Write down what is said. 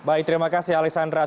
baik terima kasih alessandra